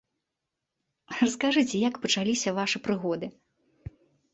Раскажыце, як пачаліся вашы прыгоды?